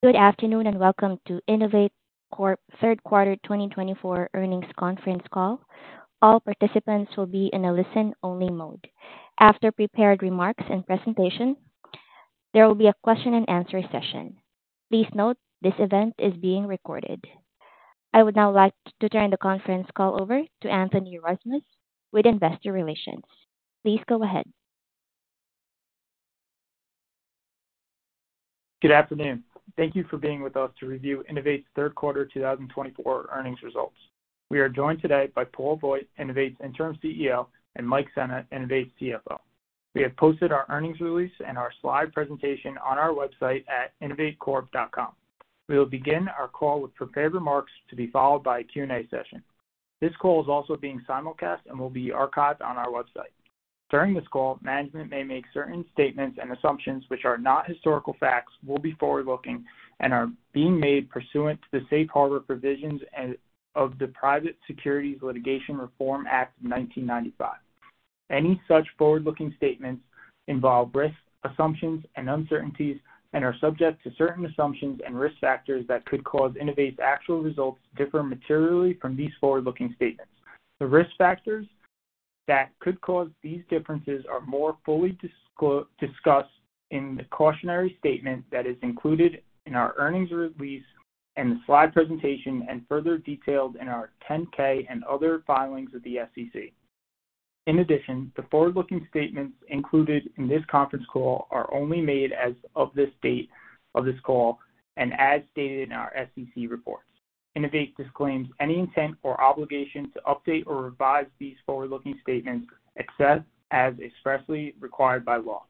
Good afternoon and welcome to Innovate Corp Third Quarter 2024 earnings conference call. All participants will be in a listen-only mode. After prepared remarks and presentation, there will be a question-and-answer session. Please note this event is being recorded. I would now like to turn the conference call over to Anthony Rozmus with Investor Relations. Please go ahead. Good afternoon. Thank you for being with us to review Innovate's Third Quarter 2024 earnings results. We are joined today by Paul Voigt, Innovate's Interim CEO, and Mike Sena, Innovate's CFO. We have posted our earnings release and our slide presentation on our website at innovatecorp.com. We will begin our call with prepared remarks to be followed by a Q&A session. This call is also being simulcast and will be archived on our website. During this call, management may make certain statements and assumptions which are not historical facts, will be forward-looking, and are being made pursuant to the safe harbor provisions of the Private Securities Litigation Reform Act of 1995. Any such forward-looking statements involve risk assumptions and uncertainties and are subject to certain assumptions and risk factors that could cause Innovate's actual results to differ materially from these forward-looking statements. The risk factors that could cause these differences are more fully discussed in the cautionary statement that is included in our earnings release and the slide presentation and further detailed in our 10-K and other filings with the SEC. In addition, the forward-looking statements included in this conference call are only made as of the date of this call and as stated in our SEC reports. Innovate disclaims any intent or obligation to update or revise these forward-looking statements except as expressly required by law.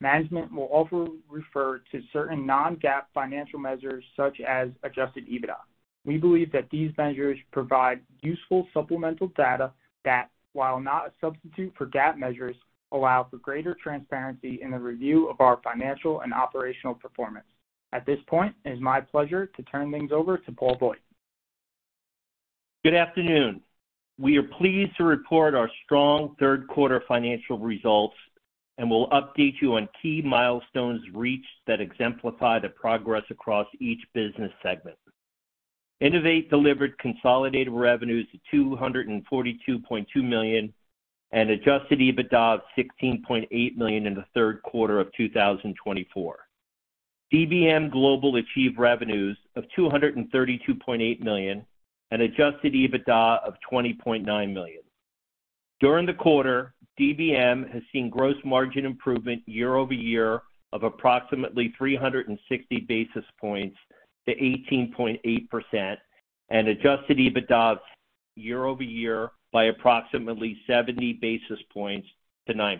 Management will also refer to certain non-GAAP financial measures such as Adjusted EBITDA. We believe that these measures provide useful supplemental data that, while not a substitute for GAAP measures, allow for greater transparency in the review of our financial and operational performance. At this point, it is my pleasure to turn things over to Paul Voigt. Good afternoon. We are pleased to report our strong third-quarter financial results and will update you on key milestones reached that exemplify the progress across each business segment. Innovate delivered consolidated revenues of $242.2 million and Adjusted EBITDA of $16.8 million in the third quarter of 2024. DBM Global achieved revenues of $232.8 million and Adjusted EBITDA of $20.9 million. During the quarter, DBM has seen gross margin improvement year-over-year of approximately 360 basis points to 18.8% and Adjusted EBITDA year-over-year by approximately 70 basis points to 9%.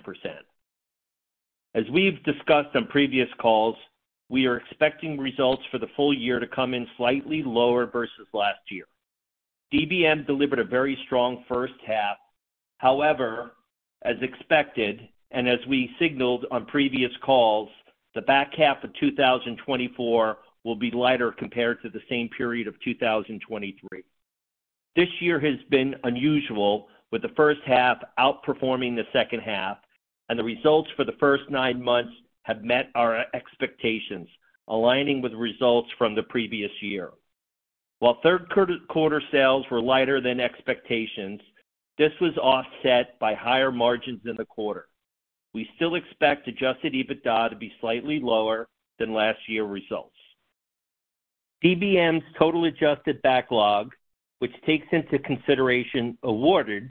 As we've discussed on previous calls, we are expecting results for the full year to come in slightly lower versus last year. DBM delivered a very strong first half. However, as expected and as we signaled on previous calls, the back half of 2024 will be lighter compared to the same period of 2023. This year has been unusual, with the first half outperforming the second half, and the results for the first nine months have met our expectations, aligning with results from the previous year. While third-quarter sales were lighter than expectations, this was offset by higher margins in the quarter. We still expect Adjusted EBITDA to be slightly lower than last year's results. DBM's total adjusted backlog, which takes into consideration awarded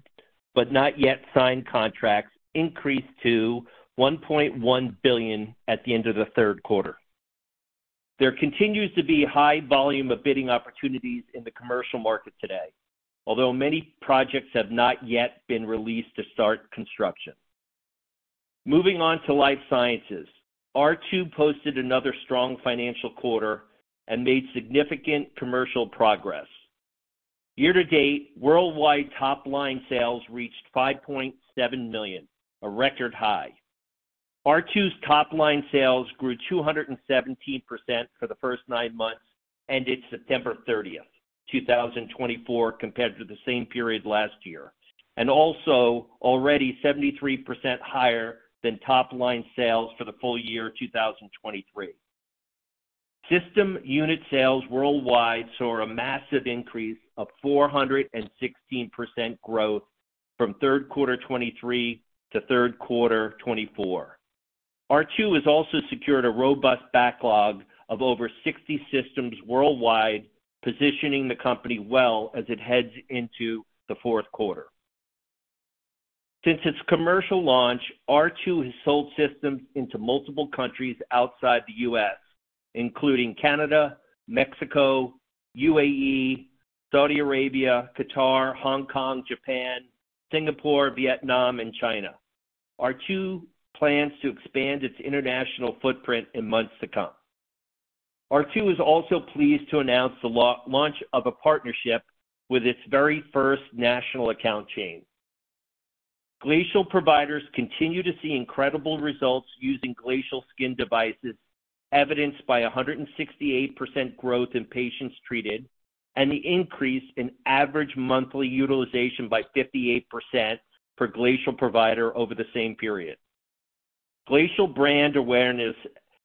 but not yet signed contracts, increased to $1.1 billion at the end of the third quarter. There continues to be high volume of bidding opportunities in the commercial market today, although many projects have not yet been released to start construction. Moving on to life sciences, R2 posted another strong financial quarter and made significant commercial progress. Year-to-date, worldwide top-line sales reached $5.7 million, a record high. R2's top-line sales grew 217% for the first nine months ended September 30, 2024, compared to the same period last year, and also already 73% higher than top-line sales for the full year 2023. System unit sales worldwide saw a massive increase of 416% growth from third quarter 2023 to third quarter 2024. R2 has also secured a robust backlog of over 60 systems worldwide, positioning the company well as it heads into the fourth quarter. Since its commercial launch, R2 has sold systems into multiple countries outside the U.S., including Canada, Mexico, UAE, Saudi Arabia, Qatar, Hong Kong, Japan, Singapore, Vietnam, and China. R2 plans to expand its international footprint in months to come. R2 is also pleased to announce the launch of a partnership with its very first national account chain. Glacial providers continue to see incredible results using Glacial Skin devices, evidenced by 168% growth in patients treated and the increase in average monthly utilization by 58% per Glacial provider over the same period. Glacial brand awareness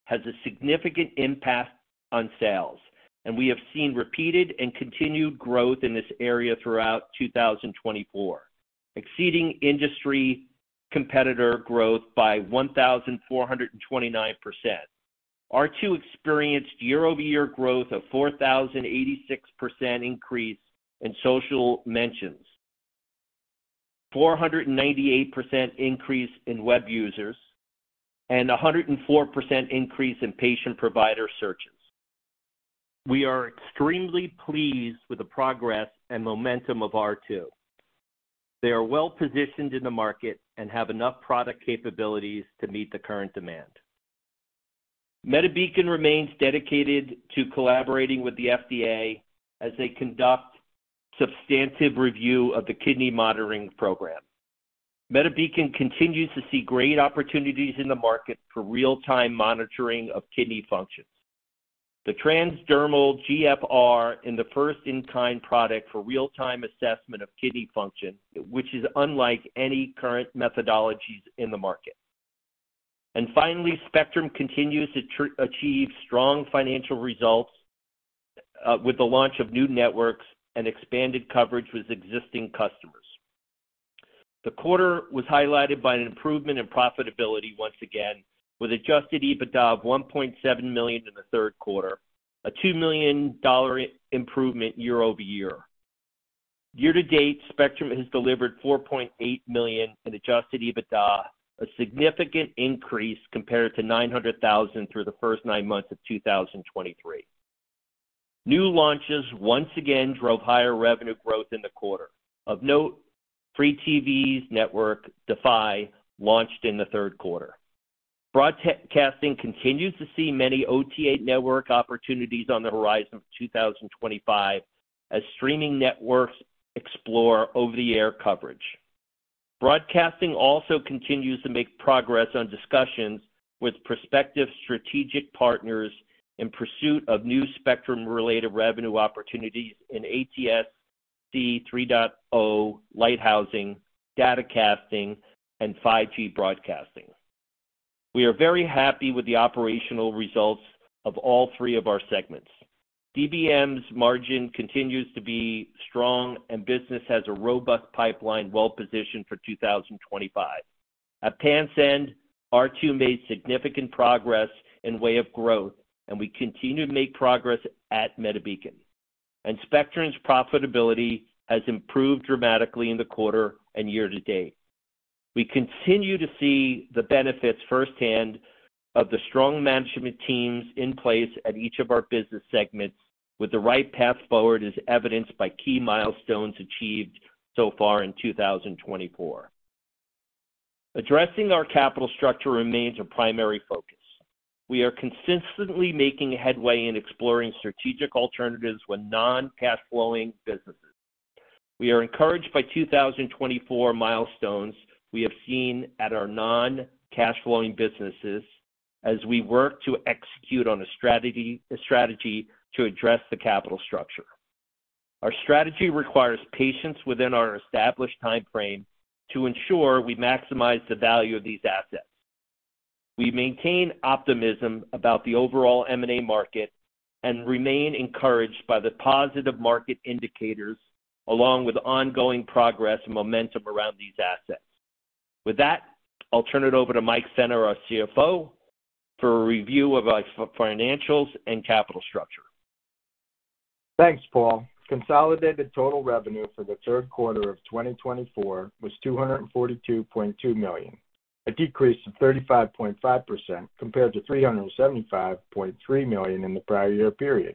has a significant impact on sales, and we have seen repeated and continued growth in this area throughout 2024, exceeding industry competitor growth by 1,429%. R2 experienced year-over-year growth of 4,086% increase in social mentions, a 498% increase in web users, and a 104% increase in patient-provider searches. We are extremely pleased with the progress and momentum of R2. They are well-positioned in the market and have enough product capabilities to meet the current demand. MediBeacon remains dedicated to collaborating with the FDA as they conduct substantive review of the kidney monitoring program. MediBeacon continues to see great opportunities in the market for real-time monitoring of kidney functions. The transdermal GFR is the first in-kind product for real-time assessment of kidney function, which is unlike any current methodologies in the market. Finally, Spectrum continues to achieve strong financial results with the launch of new networks and expanded coverage with existing customers. The quarter was highlighted by an improvement in profitability once again, with Adjusted EBITDA of $1.7 million in the third quarter, a $2 million improvement year-over-year. Year-to-date, Spectrum has delivered $4.8 million in Adjusted EBITDA, a significant increase compared to $900,000 through the first nine months of 2023. New launches once again drove higher revenue growth in the quarter. Of note, Free TV's network, Defy, launched in the third quarter. Broadcasting continues to see many OTA network opportunities on the horizon for 2025 as streaming networks explore over-the-air coverage. Broadcasting also continues to make progress on discussions with prospective strategic partners in pursuit of new Spectrum-related revenue opportunities in ATSC 3.0, lighthousing, datacasting, and 5G broadcasting. We are very happy with the operational results of all three of our segments. DBM's margin continues to be strong, and business has a robust pipeline well-positioned for 2025. At quarter end, R2 made significant progress in way of growth, and we continue to make progress at MediBeacon. Spectrum's profitability has improved dramatically in the quarter and year-to-date. We continue to see the benefits firsthand of the strong management teams in place at each of our business segments, with the right path forward as evidenced by key milestones achieved so far in 2024. Addressing our capital structure remains a primary focus. We are consistently making headway in exploring strategic alternatives with non-cash-flowing businesses. We are encouraged by 2024 milestones we have seen at our non-cash-flowing businesses as we work to execute on a strategy to address the capital structure. Our strategy requires patience within our established timeframe to ensure we maximize the value of these assets. We maintain optimism about the overall M&A market and remain encouraged by the positive market indicators, along with ongoing progress and momentum around these assets. With that, I'll turn it over to Mike Sena, our CFO, for a review of our financials and capital structure. Thanks, Paul. Consolidated total revenue for the third quarter of 2024 was $242.2 million, a decrease of 35.5% compared to $375.3 million in the prior year period.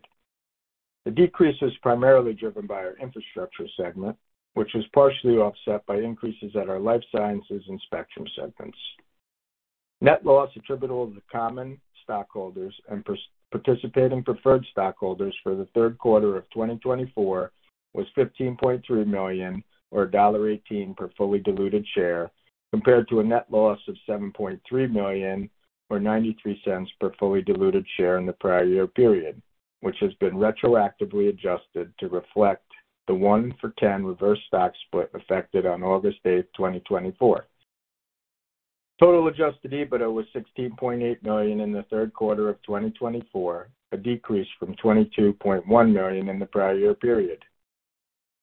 The decrease was primarily driven by our infrastructure segment, which was partially offset by increases at our life sciences and Spectrum segments. Net loss attributable to common stockholders and participating preferred stockholders for the third quarter of 2024 was $15.3 million, or $1.18 per fully diluted share, compared to a net loss of $7.3 million, or $0.93 per fully diluted share in the prior year period, which has been retroactively adjusted to reflect the 1-for-10 reverse stock split effected on August 8th, 2024. Total Adjusted EBITDA was $16.8 million in the third quarter of 2024, a decrease from $22.1 million in the prior year period.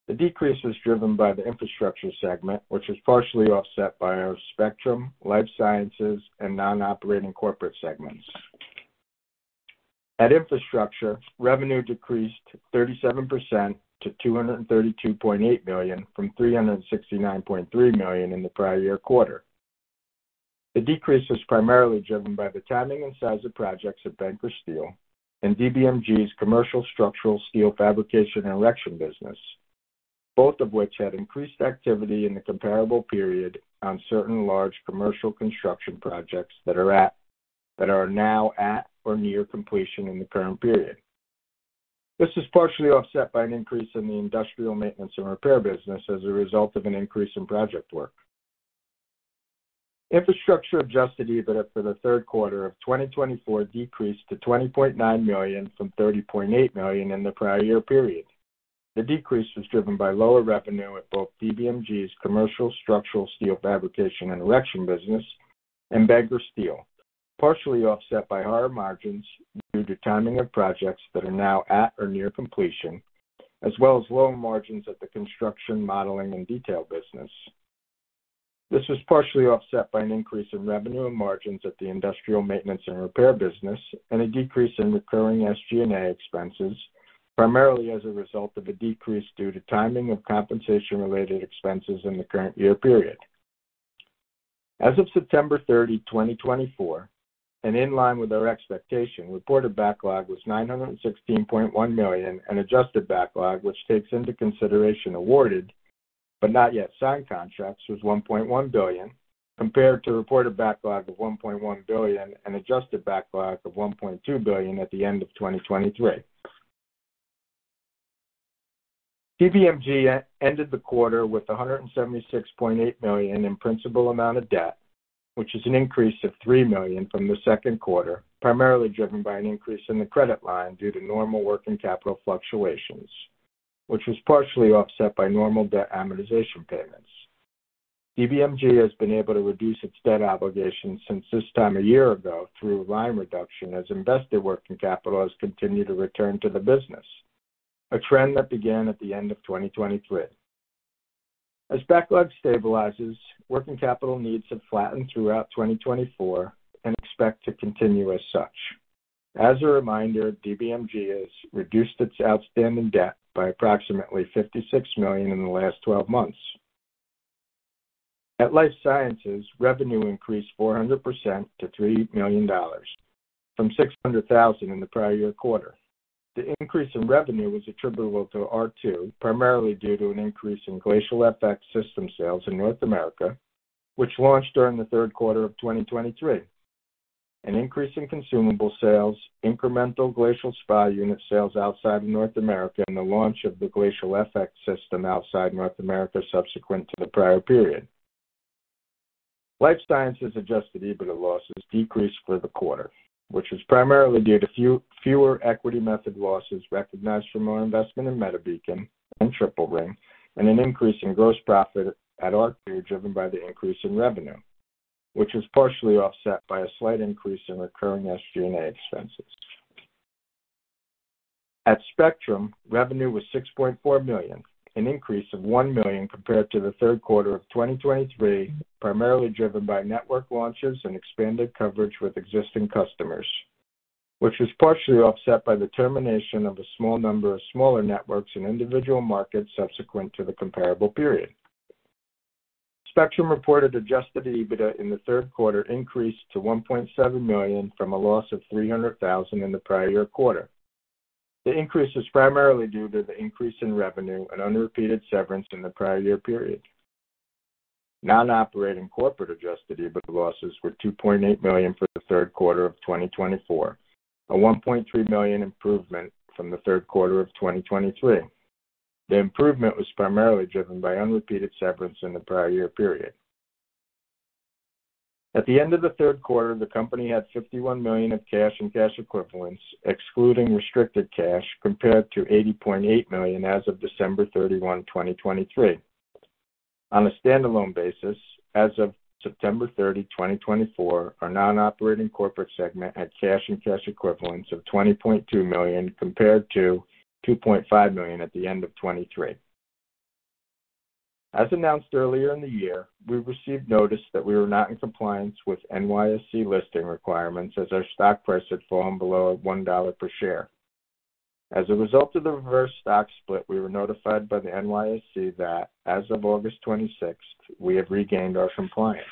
The decrease was driven by the infrastructure segment, which was partially offset by our Spectrum, life sciences, and non-operating corporate segments. At infrastructure, revenue decreased 37% to $232.8 million from $369.3 million in the prior year quarter. The decrease was primarily driven by the timing and size of projects at Banker Steel and DBMG's commercial structural steel fabrication and erection business, both of which had increased activity in the comparable period on certain large commercial construction projects that are now at or near completion in the current period. This is partially offset by an increase in the industrial maintenance and repair business as a result of an increase in project work. Infrastructure Adjusted EBITDA for the third quarter of 2024 decreased to $20.9 million from $30.8 million in the prior year period. The decrease was driven by lower revenue at both DBMG's commercial structural steel fabrication and erection business and Banker Steel, partially offset by higher margins due to timing of projects that are now at or near completion, as well as low margins at the construction, modeling, and detail business. This was partially offset by an increase in revenue and margins at the industrial maintenance and repair business and a decrease in recurring SG&A expenses, primarily as a result of a decrease due to timing of compensation-related expenses in the current year period. As of September 30, 2024, and in line with our expectation, reported backlog was $916.1 million, and adjusted backlog, which takes into consideration awarded but not yet signed contracts, was $1.1 billion, compared to reported backlog of $1.1 billion and adjusted backlog of $1.2 billion at the end of 2023. DBMG ended the quarter with $176.8 million in principal amount of debt, which is an increase of $3 million from the second quarter, primarily driven by an increase in the credit line due to normal working capital fluctuations, which was partially offset by normal debt amortization payments. DBMG has been able to reduce its debt obligations since this time a year ago through line reduction as invested working capital has continued to return to the business, a trend that began at the end of 2023. As backlog stabilizes, working capital needs have flattened throughout 2024 and expect to continue as such. As a reminder, DBMG has reduced its outstanding debt by approximately $56 million in the last 12 months. At life sciences, revenue increased 400% to $3 million from $600,000 in the prior year quarter. The increase in revenue was attributable to R2, primarily due to an increase in Glacial FX system sales in North America, which launched during the third quarter of 2023. An increase in consumable sales, incremental Glacial Spa unit sales outside of North America, and the launch of the Glacial FX system outside North America subsequent to the prior period. Life sciences Adjusted EBITDA losses decreased for the quarter, which was primarily due to fewer equity method losses recognized from our investment in MediBeacon and Triple Ring, and an increase in gross profit at R2 driven by the increase in revenue, which was partially offset by a slight increase in recurring SG&A expenses. At Spectrum, revenue was $6.4 million, an increase of $1 million compared to the third quarter of 2023, primarily driven by network launches and expanded coverage with existing customers, which was partially offset by the termination of a small number of smaller networks in individual markets subsequent to the comparable period. Spectrum reported Adjusted EBITDA in the third quarter increased to $1.7 million from a loss of $300,000 in the prior year quarter. The increase was primarily due to the increase in revenue and unrepeated severance in the prior year period. Non-operating corporate Adjusted EBITDA losses were $2.8 million for the third quarter of 2024, a $1.3 million improvement from the third quarter of 2023. The improvement was primarily driven by unrepeated severance in the prior year period. At the end of the third quarter, the company had $51 million of cash and cash equivalents, excluding restricted cash, compared to $80.8 million as of December 31, 2023. On a standalone basis, as of September 30, 2024, our non-operating corporate segment had cash and cash equivalents of $20.2 million compared to $2.5 million at the end of 2023. As announced earlier in the year, we received notice that we were not in compliance with NYSE listing requirements as our stock price had fallen below $1 per share. As a result of the reverse stock split, we were notified by the NYSE that, as of August 26, we have regained our compliance.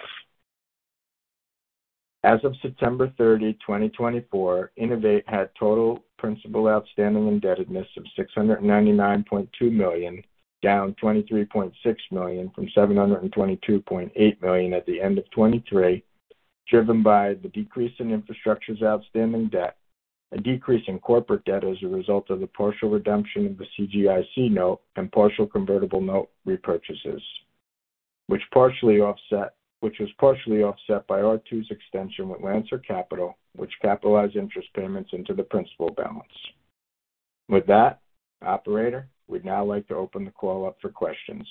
As of September 30, 2024, Innovate had total principal outstanding indebtedness of $699.2 million, down $23.6 million from $722.8 million at the end of 2023, driven by the decrease in infrastructure's outstanding debt, a decrease in corporate debt as a result of the partial redemption of the CGIC note and partial convertible note repurchases, which was partially offset by R2's extension with Lancer Capital, which capitalized interest payments into the principal balance. With that, Operator, we'd now like to open the call up for questions.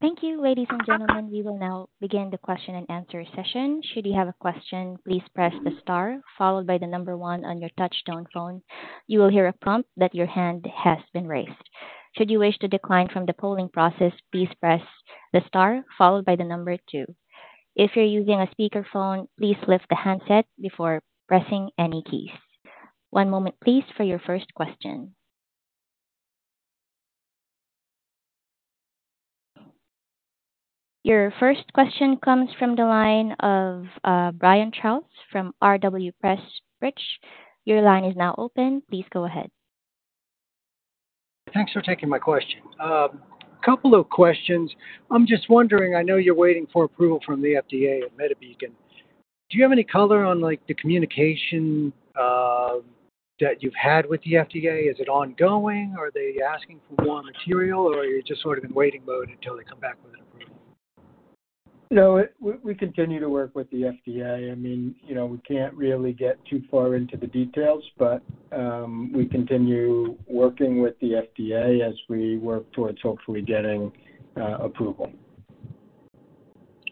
Thank you. Ladies and gentlemen, we will now begin the question and answer session. Should you have a question, please press the star, followed by the number one on your touch-tone phone. You will hear a prompt that your hand has been raised. Should you wish to decline from the polling process, please press the star, followed by the number two. If you're using a speakerphone, please lift the handset before pressing any keys. One moment, please, for your first question. Your first question comes from the line of Brian Trout from R.W. Pressprich & Co. Your line is now open. Please go ahead. Thanks for taking my question. A couple of questions. I'm just wondering, I know you're waiting for approval from the FDA at MediBeacon. Do you have any color on the communication that you've had with the FDA? Is it ongoing? Are they asking for more material? Or are you just sort of in waiting mode until they come back with an approval? No, we continue to work with the FDA. I mean, we can't really get too far into the details, but we continue working with the FDA as we work towards hopefully getting approval.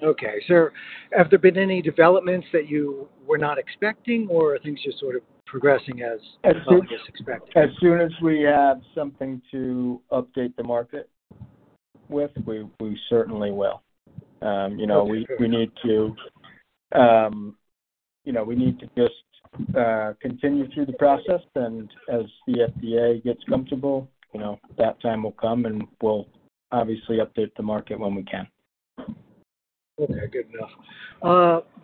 Okay, so have there been any developments that you were not expecting, or are things just sort of progressing as you expected? As soon as we have something to update the market with, we certainly will. We need to just continue through the process, and as the FDA gets comfortable, that time will come, and we'll obviously update the market when we can. Okay. Good enough.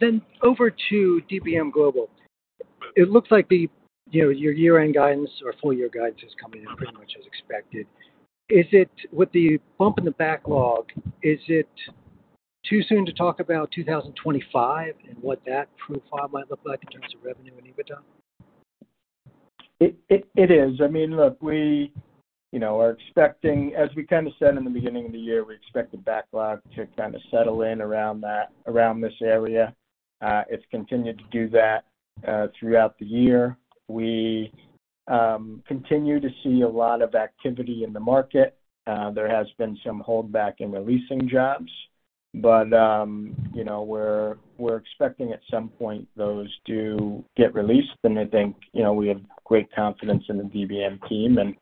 Then over to DBM Global. It looks like your year-end guidance or full-year guidance is coming in pretty much as expected. With the bump in the backlog, is it too soon to talk about 2025 and what that profile might look like in terms of revenue and EBITDA? It is. I mean, look, we are expecting, as we kind of said in the beginning of the year, we expect the backlog to kind of settle in around this area. It's continued to do that throughout the year. We continue to see a lot of activity in the market. There has been some holdback in releasing jobs, but we're expecting at some point those to get released. And I think we have great confidence in the DBM team and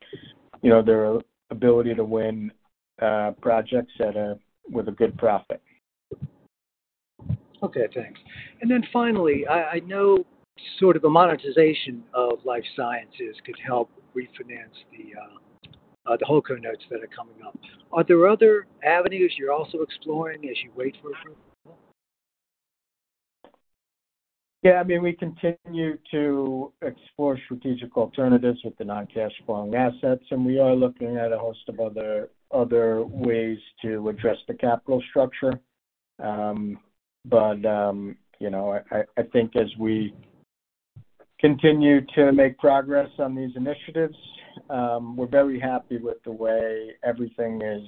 their ability to win projects with a good profit. Okay. Thanks. And then finally, I know sort of the monetization of life sciences could help refinance the holdco notes that are coming up. Are there other avenues you're also exploring as you wait for approval? Yeah. I mean, we continue to explore strategic alternatives with the non-cash-flowing assets, and we are looking at a host of other ways to address the capital structure. But I think as we continue to make progress on these initiatives, we're very happy with the way everything is,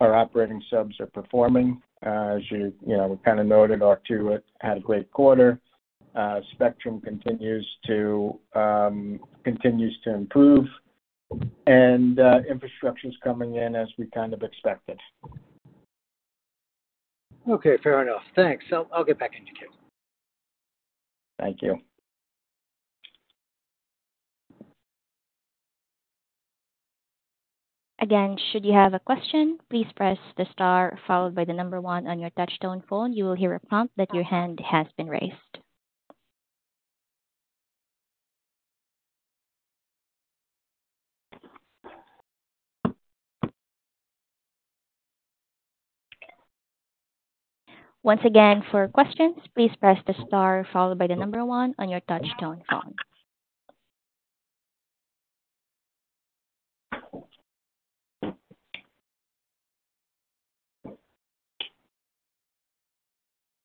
our operating subs are performing. As you kind of noted, R2 had a great quarter. Spectrum continues to improve, and infrastructure is coming in as we kind of expected. Okay. Fair enough. Thanks. I'll get back to you, too. Thank you. Again, should you have a question, please press the star, followed by the number one on your touch-tone phone. You will hear a prompt that your hand has been raised. Once again, for questions, please press the star, followed by the number one on your touch-tone phone.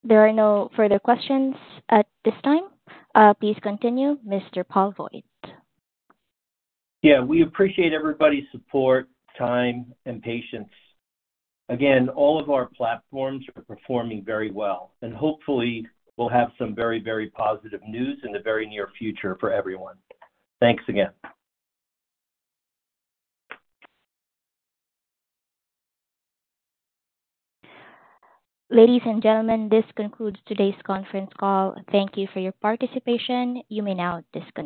There are no further questions at this time. Please continue, Mr. Paul Voigt. Yeah. We appreciate everybody's support, time, and patience. Again, all of our platforms are performing very well, and hopefully, we'll have some very, very positive news in the very near future for everyone. Thanks again. Ladies and gentlemen, this concludes today's conference call. Thank you for your participation. You may now disconnect.